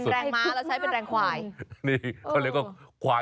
เราใช้เป็นแรงขวาย